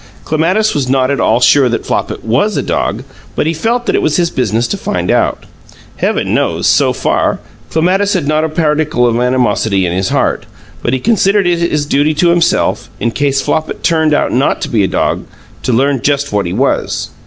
Clematis was not at all sure that Flopit WAS a dog, but he felt that it was his business to find out. Heaven knows, so far, Clematis had not a particle of animosity in his heart, but he considered it his duty to himself in case Flopit turned out not to be a dog to learn just what he was.